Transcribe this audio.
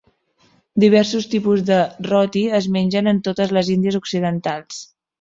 Diversos tipus de roti es mengen en totes les Índies Occidentals.